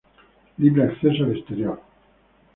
Libre acceso al exterior.